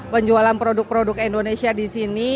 penjualan produk produk indonesia disini